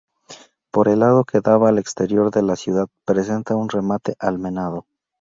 Por el lado que daba al exterior de la ciudad presenta un remate almenado.